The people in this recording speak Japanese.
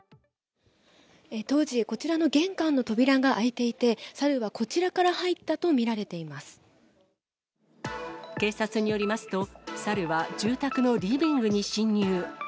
当時、こちらの玄関の扉が開いていて、サルはこちらから入ったと見られ警察によりますと、サルは住宅のリビングに侵入。